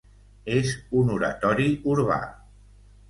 És un oratori urbà.